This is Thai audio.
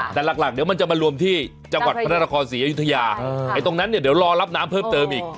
แต่หลักเดี๋ยวมันจะมารวมที่จังหวัดพระนครศรีอยุธยาไอ้ตรงนั้นเนี่ยเดี๋ยวรอรับน้ำเพิ่มเติมอีก